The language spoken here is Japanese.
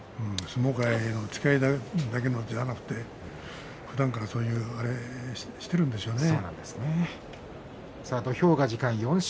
相撲界だけでなくてふだんからそうしているんでしょうね。